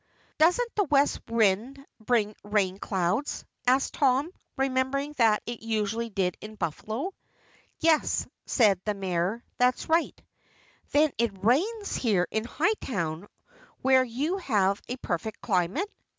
"Doesn't the west wind bring rain clouds?" asked Tom, remembering that it usually did in Buffalo. "Yes," said the Mayor, "that is right." "Then it rains here in Hightown where you have a perfect climate?"